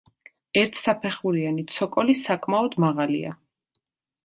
ერთსაფეხურიანი ცოკოლი საკმაოდ მაღალია.